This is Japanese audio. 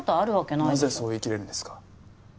なぜそう言いきれるんですか？